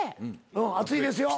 熱いですよ。